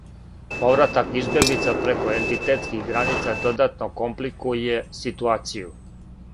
Повратак избеглица преко ентитетских граница додатно компликује ситуацију.